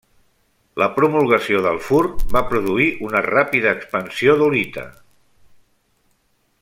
La promulgació del fur va produir una ràpida expansió d'Olite.